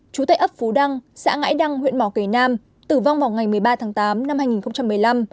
chú tay ấp phú đăng xã ngãi đăng huyện mò kể nam tử vong vào ngày một mươi ba tháng tám năm hai nghìn một mươi năm